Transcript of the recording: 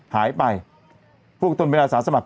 หายไปพวกตนเป็นอาสาสมัคร